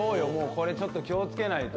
これちょっと気を付けないと。